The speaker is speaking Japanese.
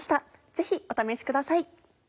ぜひお試しください。